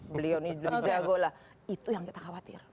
beliau ini dulu jago lah itu yang kita khawatir